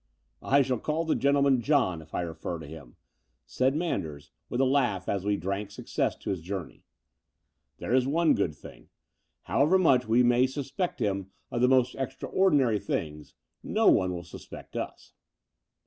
"I shall call the gentleman 'John,' if I refer to him," said Manders, with a laugh, as we drank success to his joimiey. "There is one good thing — ^however much we may suspect liim of the Between London and Clymping 119 most extraordinary things, no one will suspect us."